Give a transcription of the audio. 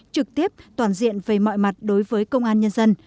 trực tiếp toàn diện về mọi mặt đối với công an nhân dân